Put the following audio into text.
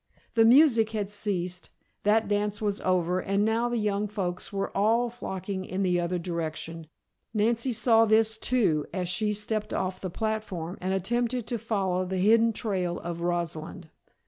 The music had ceased, that dance was over and now the young folks were all flocking in the other direction. Nancy saw this, too, as she stepped off the platform and attempted to follow the hidden trail of Rosalind.